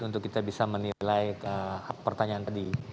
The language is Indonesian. untuk kita bisa menilai pertanyaan tadi